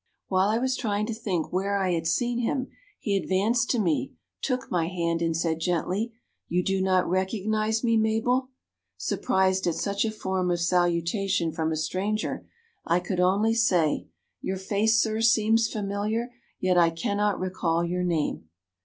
"While I was trying to think where I had seen him, he advanced to me, took my hand, and said, gently, 'You do not recognize me, Mabel?' Surprised at such a form of salutation from a stranger, I could only say, 'Your face, sir, seems familiar, yet I cannot recall your name.'